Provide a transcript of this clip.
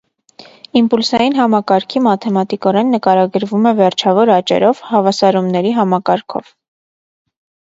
Իմպուլսային համակարգի մաթեմատիկորեն նկարագրվում Է վերջավոր աճերով հավասարումների համակարգով։